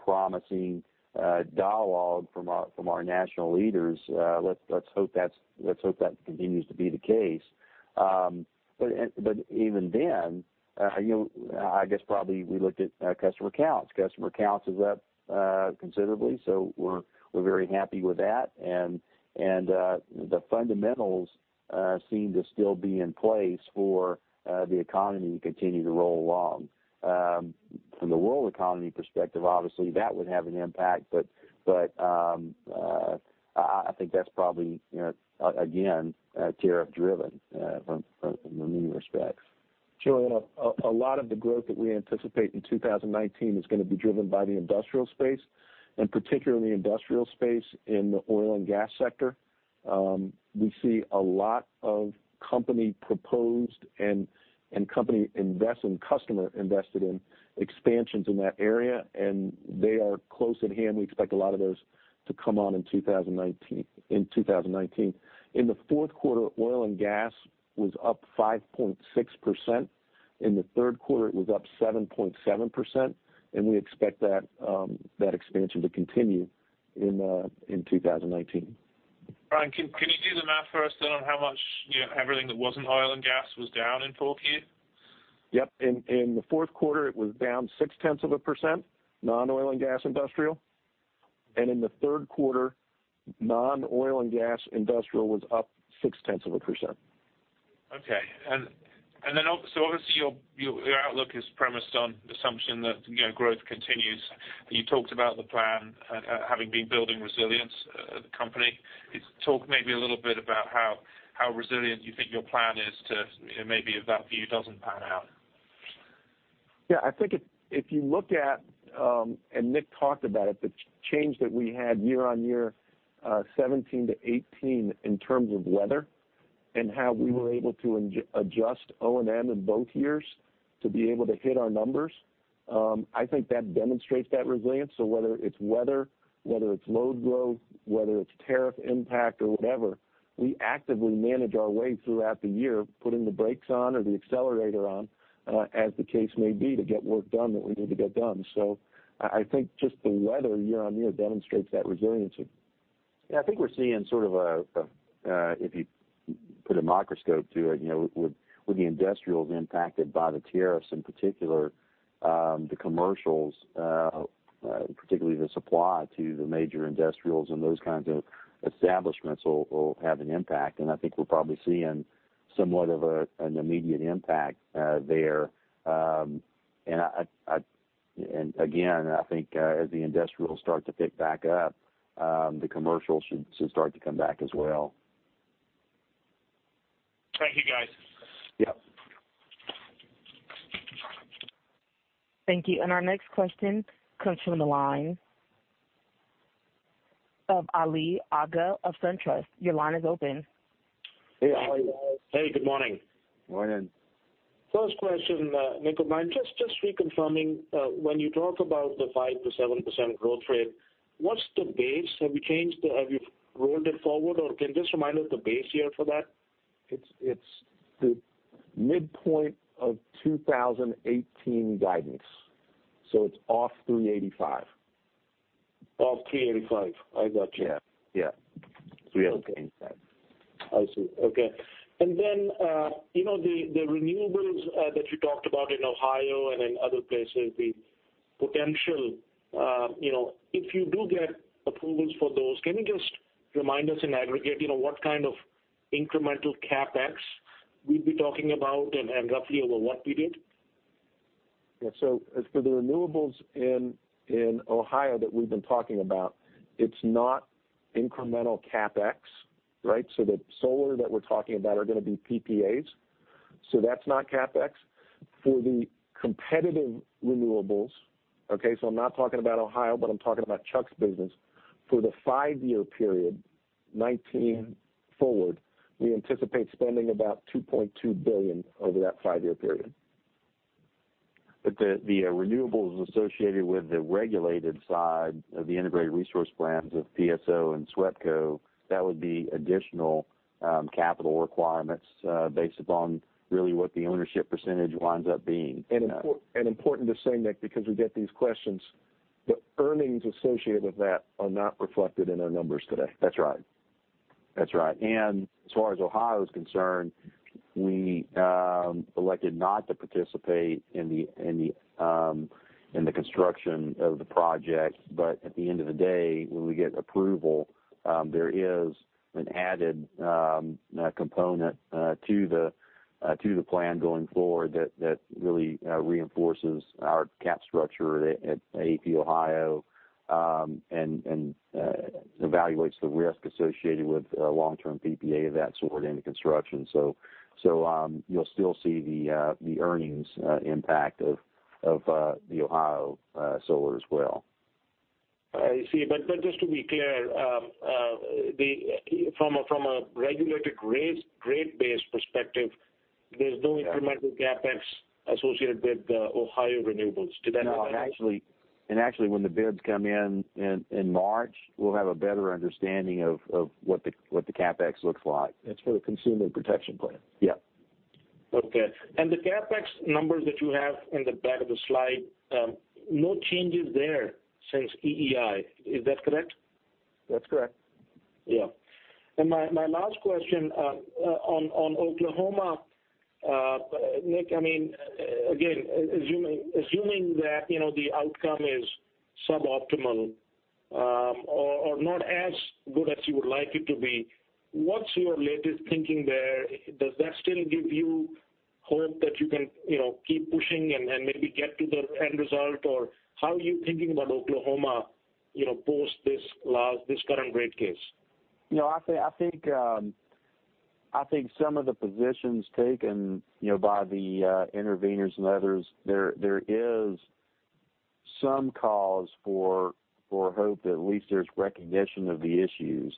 promising dialogue from our national leaders. Let's hope that continues to be the case. Even then, I guess probably we looked at customer counts. Customer counts is up considerably. We're very happy with that. The fundamentals seem to still be in place for the economy to continue to roll along. From the world economy perspective, obviously, that would have an impact, I think that's probably, again, tariff-driven from many respects. Joe, a lot of the growth that we anticipate in 2019 is going to be driven by the industrial space, particularly industrial space in the oil and gas sector. We see a lot of company proposed and customer invested in expansions in that area, and they are close at hand. We expect a lot of those to come on in 2019. In the fourth quarter, oil and gas was up 5.6%. In the third quarter, it was up 7.7%. We expect that expansion to continue in 2019. Brian, can you do the math for us on how much everything that wasn't oil and gas was down in 4Q? Yep. In the fourth quarter, it was down six tenths of a percent, non-oil and gas industrial. In the third quarter, non-oil and gas industrial was up six tenths of a percent. Okay. Obviously your outlook is premised on the assumption that growth continues. You talked about the plan having been building resilience at the company. Could you talk maybe a little bit about how resilient you think your plan is to maybe if that view doesn't pan out? I think if you look at, and Nick talked about it, the change that we had year-on-year 2017 to 2018 in terms of weather, and how we were able to adjust O&M in both years to be able to hit our numbers, I think that demonstrates that resilience. Whether it's weather, whether it's load growth, whether it's tariff impact or whatever, we actively manage our way throughout the year, putting the brakes on or the accelerator on as the case may be to get work done that we need to get done. I think just the weather year-on-year demonstrates that resiliency. I think we're seeing sort of a, if you put a microscope to it, with the industrials impacted by the tariffs, in particular, the commercials, particularly the supply to the major industrials and those kinds of establishments will have an impact. I think we're probably seeing somewhat of an immediate impact there. Again, I think as the industrials start to pick back up, the commercials should start to come back as well. Thank you, guys. Yep. Thank you. Our next question comes from the line of Ali Agha of SunTrust. Your line is open. Hey, Ali. Hey, good morning. Morning. First question, Nick, if I may. Just reconfirming, when you talk about the 5%-7% growth rate, what's the base? Have you rolled it forward, or can you just remind us the base year for that? It's the midpoint of 2018 guidance. It's off $385. Off $385. I got you. Yeah. $385. I see. Okay. Then the renewables that you talked about in Ohio and in other places, the potential, if you do get approvals for those, can you just remind us in aggregate what kind of incremental CapEx we'd be talking about and roughly over what period? Yeah. As for the renewables in Ohio that we've been talking about, it's not incremental CapEx, right? The solar that we're talking about are going to be PPAs, that's not CapEx. For the competitive renewables, okay, I'm not talking about Ohio, but I'm talking about Chuck's business. For the five-year period, 2019 forward, we anticipate spending about $2.2 billion over that five-year period. The renewables associated with the regulated side of the integrated resource plans of PSO and SWEPCO, that would be additional capital requirements based upon really what the ownership percentage winds up being. Important to say, Nick, because we get these questions, the earnings associated with that are not reflected in our numbers today. That's right. As far as Ohio is concerned, we elected not to participate in the construction of the project. At the end of the day, when we get approval, there is an added component to the plan going forward that really reinforces our cap structure at AEP Ohio and evaluates the risk associated with a long-term PPA of that sort into construction. You'll still see the earnings impact of the Ohio solar as well. I see. Just to be clear, from a regulated rate base perspective, there's no incremental CapEx associated with the Ohio renewables. No. Actually, when the bids come in in March, we'll have a better understanding of what the CapEx looks like. It's for the consumer protection plan. Yeah. Okay. The CapEx numbers that you have in the back of the slide, no changes there since EEI, is that correct? That's correct. My last question on Oklahoma. Nick, again, assuming that the outcome is suboptimal or not as good as you would like it to be, what's your latest thinking there? Does that still give you hope that you can keep pushing and maybe get to the end result? How are you thinking about Oklahoma post this current rate case? I think some of the positions taken by the interveners and others, there is some cause for hope that at least there's recognition of the issues.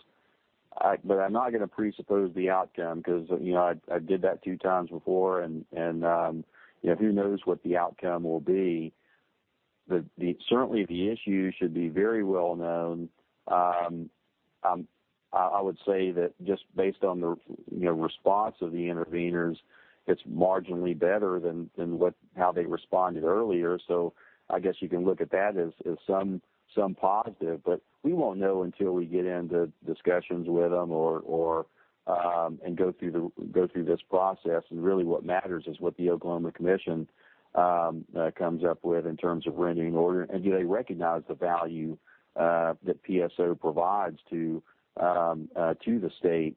I'm not going to presuppose the outcome because I did that two times before, and who knows what the outcome will be. Certainly the issues should be very well known. I would say that just based on the response of the interveners, it's marginally better than how they responded earlier. I guess you can look at that as some positive. We won't know until we get into discussions with them and go through this process, and really what matters is what the Oklahoma Commission comes up with in terms of rendering order, and do they recognize the value that PSO provides to the state.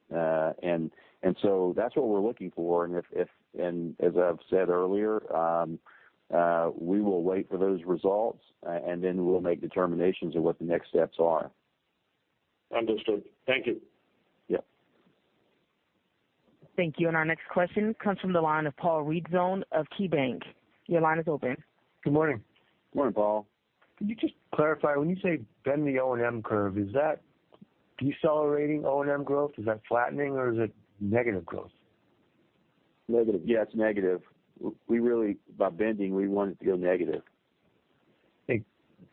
That's what we're looking for, and as I've said earlier, we will wait for those results, and then we'll make determinations of what the next steps are. Understood. Thank you. Yeah. Thank you. Our next question comes from the line of Paul Ridzon of KeyBanc. Your line is open. Good morning. Good morning, Paul. Could you just clarify, when you say bend the O&M curve, is that decelerating O&M growth? Is that flattening or is it negative growth? Negative. Yeah, it's negative. We really, by bending, we want it to go negative. Nick,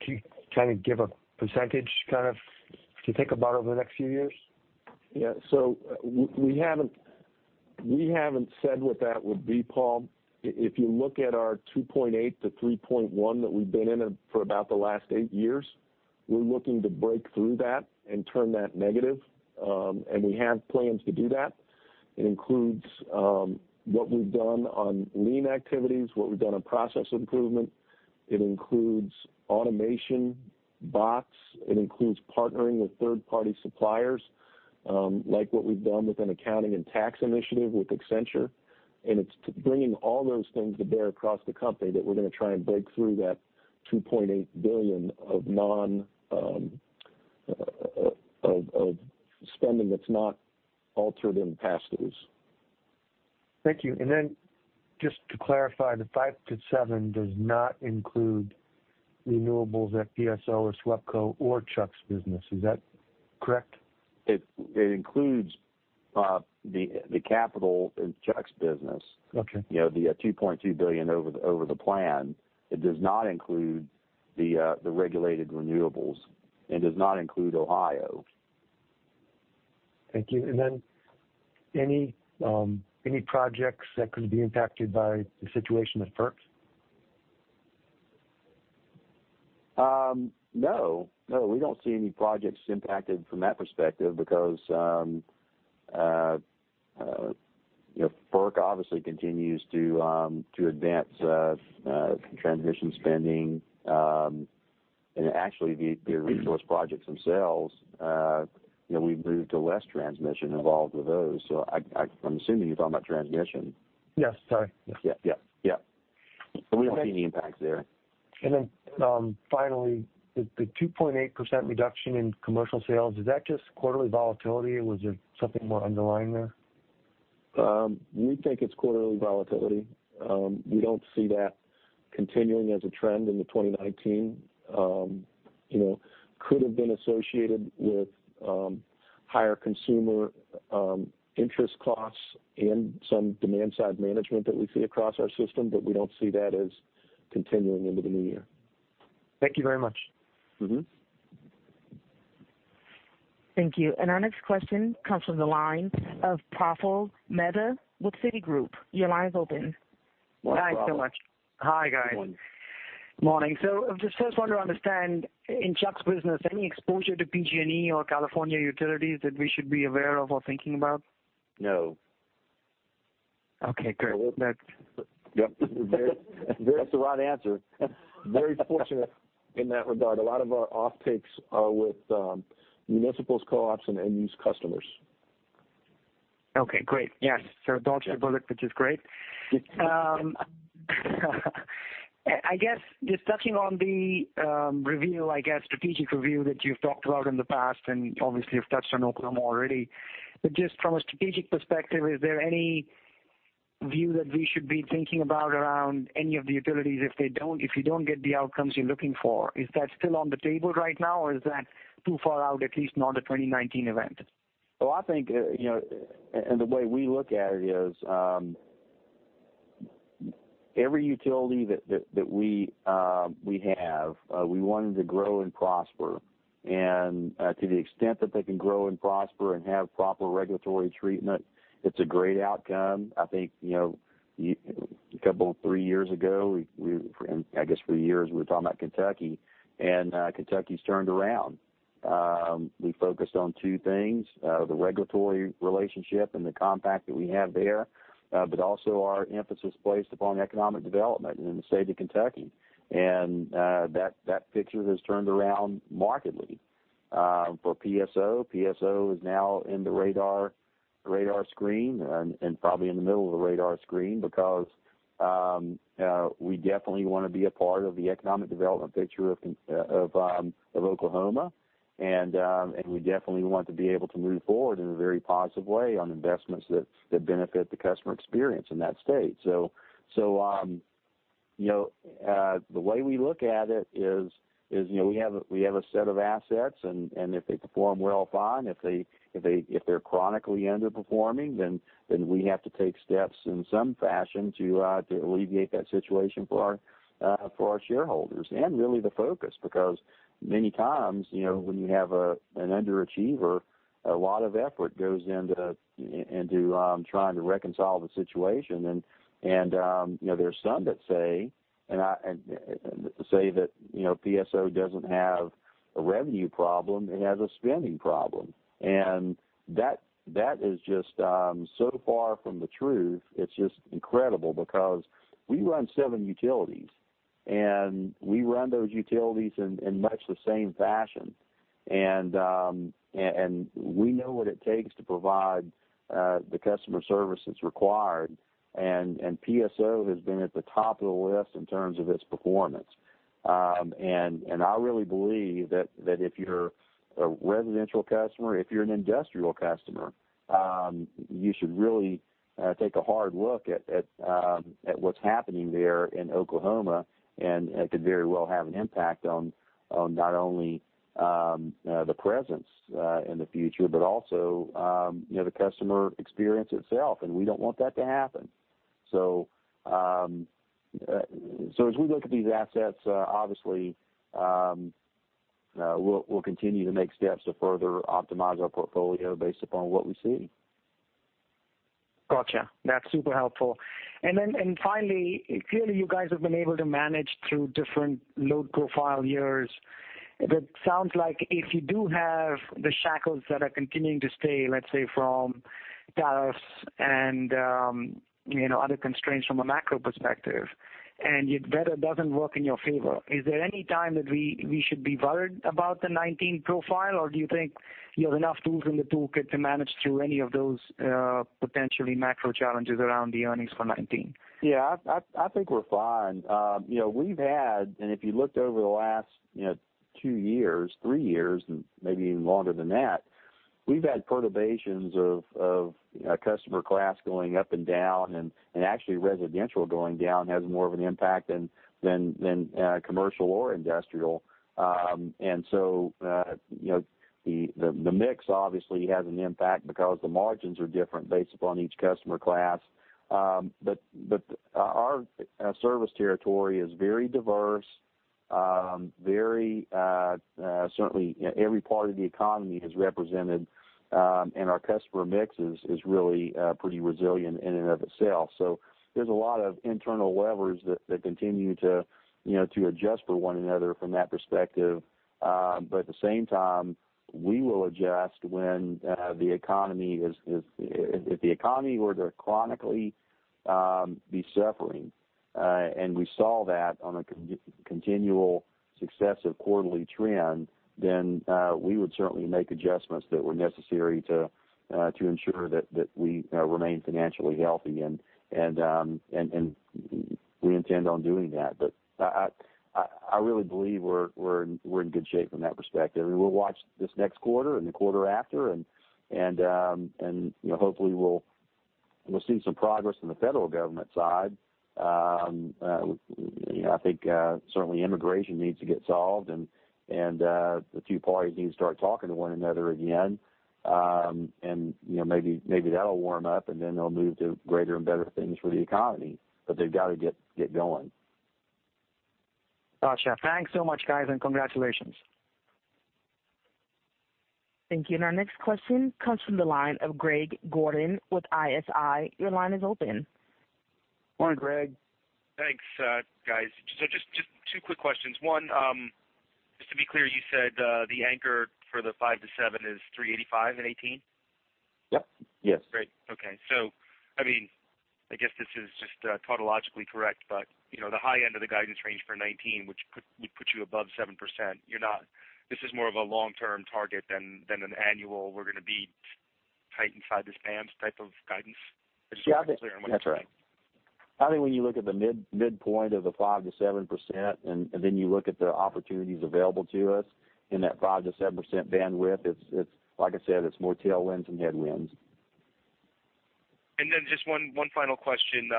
can you give a percentage to think about over the next few years? Yeah. We haven't said what that would be, Paul. If you look at our $2.8-$3.1 that we've been in for about the last eight years, we're looking to break through that and turn that negative. We have plans to do that. It includes what we've done on lean activities, what we've done on process improvement. It includes automation, bots. It includes partnering with third-party suppliers, like what we've done with an accounting and tax initiative with Accenture. It's bringing all those things to bear across the company that we're going to try and break through that $2.8 billion of spending that's not altered in past years. Thank you. Then just to clarify, the five to seven does not include renewables at PSO or SWEPCO or Chuck's business, is that correct? It includes the capital in Chuck's business. Okay. The $2.2 billion over the plan. It does not include the regulated renewables and does not include AEP Ohio. Thank you. Any projects that could be impacted by the situation with FERC? No. We don't see any projects impacted from that perspective because FERC obviously continues to advance transition spending. Actually the resource projects themselves, we've moved to less transmission involved with those. I'm assuming you're talking about transmission. Yes. Sorry. Yeah. We don't see any impacts there. Finally, the 2.8% reduction in commercial sales, is that just quarterly volatility or was there something more underlying there? We think it's quarterly volatility. We don't see that continuing as a trend into 2019. Could have been associated with higher consumer interest costs and some demand-side management that we see across our system, we don't see that as continuing into the new year. Thank you very much. Thank you. Our next question comes from the line of Praful Mehta with Citigroup. Your line is open. Morning, Praful. Thanks so much. Hi, guys. Good morning. Morning. I just first want to understand, in Chuck's business, any exposure to PG&E or California utilities that we should be aware of or thinking about? No. Okay, great. Well. Yep. That's the right answer. Very fortunate in that regard. A lot of our offtakes are with municipals, co-ops, and end use customers. Okay, great. Yes. Dodged a bullet, which is great. I guess just touching on the strategic review that you've talked about in the past, and obviously you've touched on Oklahoma already. Just from a strategic perspective, is there any view that we should be thinking about around any of the utilities if you don't get the outcomes you're looking for? Is that still on the table right now, or is that too far out, at least not a 2019 event? I think, the way we look at it is every utility that we have, we want them to grow and prosper. To the extent that they can grow and prosper and have proper regulatory treatment, it's a great outcome. I think, a couple or three years ago, and I guess for years we're talking about Kentucky, and Kentucky's turned around. We focused on two things, the regulatory relationship and the compact that we have there, but also our emphasis placed upon economic development in the state of Kentucky. That picture has turned around markedly. For PSO is now in the radar screen and probably in the middle of the radar screen because we definitely want to be a part of the economic development picture of Oklahoma. We definitely want to be able to move forward in a very positive way on investments that benefit the customer experience in that state. The way we look at it is, we have a set of assets and if they perform well, fine. If they're chronically underperforming, then we have to take steps in some fashion to alleviate that situation for our shareholders. Really the focus because many times, when you have an underachiever, a lot of effort goes into trying to reconcile the situation. There's some that say that PSO doesn't have a revenue problem, it has a spending problem. That is just so far from the truth, it's just incredible because we run seven utilities. We run those utilities in much the same fashion. We know what it takes to provide the customer service that's required. PSO has been at the top of the list in terms of its performance. I really believe that if you're a residential customer, if you're an industrial customer, you should really take a hard look at what's happening there in Oklahoma, and it could very well have an impact on not only the presence in the future, but also the customer experience itself. We don't want that to happen. As we look at these assets, obviously we'll continue to make steps to further optimize our portfolio based upon what we see. Got you. That's super helpful. Then finally, clearly you guys have been able to manage through different load profile years. That sounds like if you do have the shackles that are continuing to stay, let's say, from tariffs and other constraints from a macro perspective, and your weather doesn't work in your favor, is there any time that we should be worried about the 2019 profile? Do you think you have enough tools in the toolkit to manage through any of those potentially macro challenges around the earnings for 2019? Yeah. I think we're fine. We've had, if you looked over the last two years, three years, and maybe even longer than that, we've had perturbations of customer class going up and down. Actually residential going down has more of an impact than commercial or industrial. The mix obviously has an impact because the margins are different based upon each customer class. Our service territory is very diverse. Every part of the economy is represented, and our customer mix is really pretty resilient in and of itself. There's a lot of internal levers that continue to adjust for one another from that perspective. At the same time, we will adjust when the economy. If the economy were to chronically be suffering, and we saw that on a continual successive quarterly trend, then we would certainly make adjustments that were necessary to ensure that we remain financially healthy. We intend on doing that. I really believe we're in good shape from that perspective. We'll watch this next quarter and the quarter after and hopefully we'll see some progress on the federal government side. I think certainly immigration needs to get solved and the two parties need to start talking to one another again. Maybe that'll warm up, and then they'll move to greater and better things for the economy. They've got to get going. Got you. Thanks so much, guys, and congratulations. Thank you. Our next question comes from the line of Greg Gordon with ISI. Your line is open. Morning, Greg. Thanks, guys. Just two quick questions. One, just to be clear, you said the anchor for the 5%-7% is $385 in 2018? Yep. Yes. Great. Okay. I guess this is just tautologically correct, but the high end of the guidance range for 2019, which would put you above 7%, this is more of a long-term target than an annual we're going to be tight inside this band type of guidance? Just so I'm clear on what you're saying. That's right. I think when you look at the midpoint of the 5%-7% and then you look at the opportunities available to us in that 5%-7% bandwidth, like I said, it's more tailwinds than headwinds. Just one final question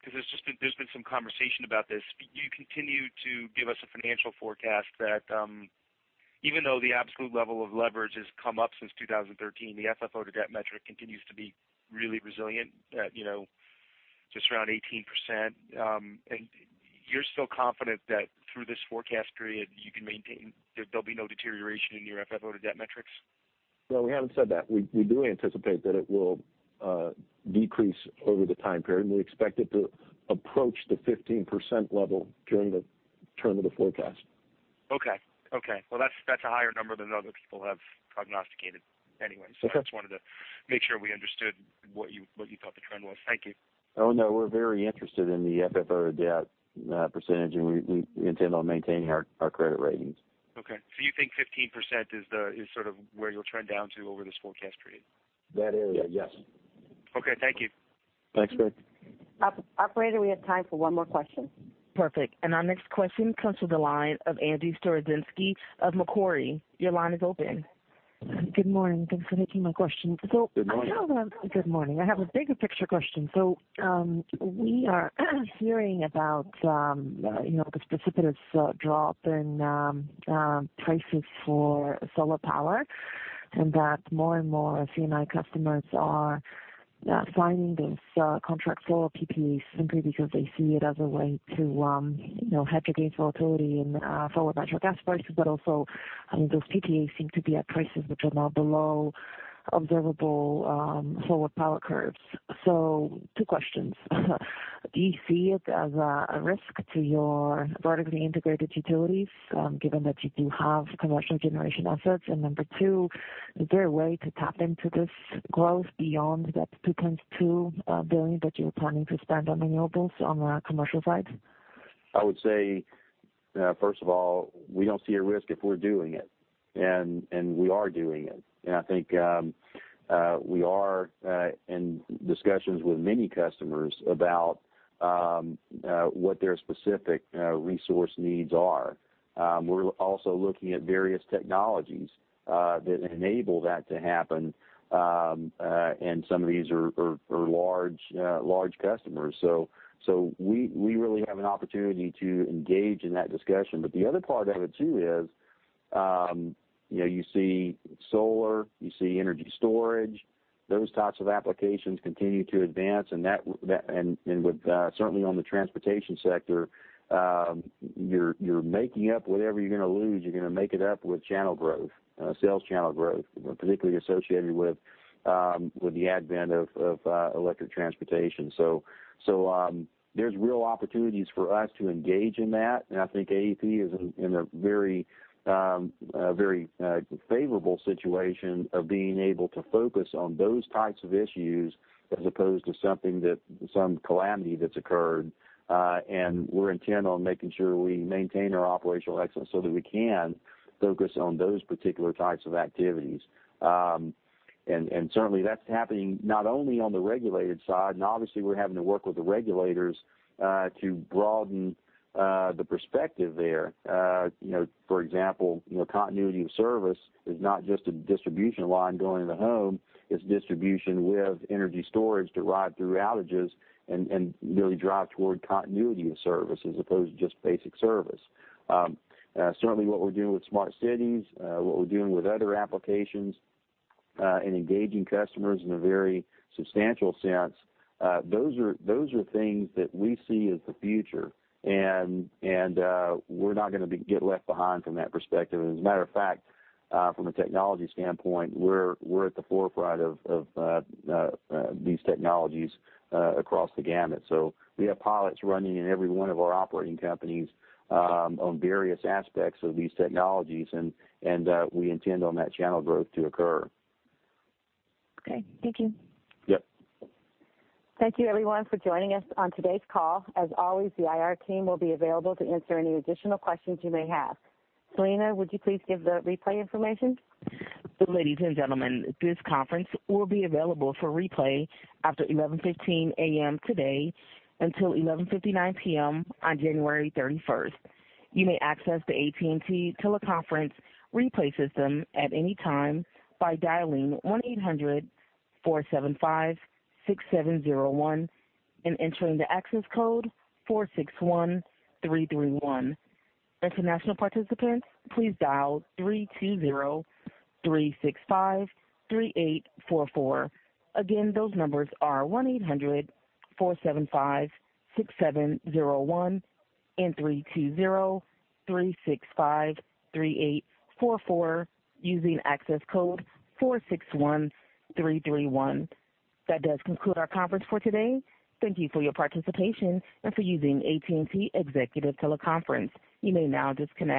because there's been some conversation about this. You continue to give us a financial forecast that even though the absolute level of leverage has come up since 2013, the FFO to debt metric continues to be really resilient at just around 18%. You're still confident that through this forecast period, there'll be no deterioration in your FFO to debt metrics? No, we haven't said that. We do anticipate that it will decrease over the time period, we expect it to approach the 15% level during the term of the forecast. Okay. Well, that's a higher number than other people have prognosticated anyway. I just wanted to make sure we understood what you thought the trend was. Thank you. Oh, no, we're very interested in the FFO to debt percentage, we intend on maintaining our credit ratings. Okay. You think 15% is sort of where you'll trend down to over this forecast period? That area, yes. Okay, thank you. Thanks, Greg. Operator, we have time for one more question. Perfect. Our next question comes to the line of Angie Storozynski of Macquarie. Your line is open. Good morning. Thanks for taking my question. Good morning. Good morning. I have a bigger picture question. We are hearing about the precipitous drop in prices for solar power, and that more and more C&I customers are signing these contract solar PPAs simply because they see it as a way to hedge against volatility in forward natural gas prices, but also those PPAs seem to be at prices which are now below observable forward power curves. Two questions. Do you see it as a risk to your vertically integrated utilities, given that you do have commercial generation assets? Number two, is there a way to tap into this growth beyond that $2.2 billion that you're planning to spend on renewables on the commercial side? I would say, first of all, we don't see a risk if we're doing it, and we are doing it. I think we are in discussions with many customers about what their specific resource needs are. We're also looking at various technologies that enable that to happen. Some of these are for large customers. We really have an opportunity to engage in that discussion. The other part of it too is, you see solar, you see energy storage, those types of applications continue to advance, and with certainly on the transportation sector, you're making up whatever you're going to lose, you're going to make it up with channel growth, sales channel growth, particularly associated with the advent of electric transportation. There's real opportunities for us to engage in that, and I think AEP is in a very favorable situation of being able to focus on those types of issues as opposed to something that some calamity that's occurred. We're intent on making sure we maintain our operational excellence so that we can focus on those particular types of activities. Certainly that's happening not only on the regulated side, and obviously we're having to work with the regulators to broaden the perspective there. For example, continuity of service is not just a distribution line going to the home, it's distribution with energy storage to ride through outages and really drive toward continuity of service as opposed to just basic service. Certainly what we're doing with smart cities, what we're doing with other applications, and engaging customers in a very substantial sense, those are things that we see as the future. We're not going to get left behind from that perspective. As a matter of fact, from a technology standpoint, we're at the forefront of these technologies across the gamut. We have pilots running in every one of our operating companies on various aspects of these technologies, and we intend on that channel growth to occur. Okay. Thank you. Yep. Thank you everyone for joining us on today's call. As always, the IR team will be available to answer any additional questions you may have. Selena, would you please give the replay information? Ladies and gentlemen, this conference will be available for replay after 11:15 A.M. today until 11:59 P.M. on January 31st. You may access the AT&T Teleconference Replay System at any time by dialing 1-800-475-6701 and entering the access code 461331. International participants, please dial 320-365-3844. Again, those numbers are 1-800-475-6701 and 320-365-3844 using access code 461331. That does conclude our conference for today. Thank you for your participation and for using AT&T Executive Teleconference. You may now disconnect.